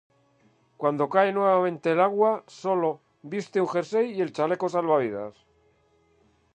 Cuando cae nuevamente al agua, sólo viste un jersey y el chaleco salvavidas.